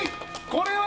これは！